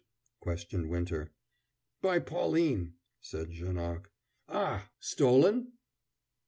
questioned Winter. "By Pauline," said Janoc. "Ah, stolen?"